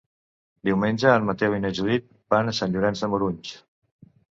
Diumenge en Mateu i na Judit van a Sant Llorenç de Morunys.